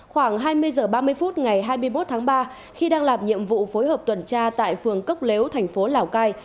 khoảng hai mươi h ba mươi phút ngày hai mươi một tháng ba khi đang làm nhiệm vụ phối hợp tuần tra tại phường cốc lếu thành phố lào cai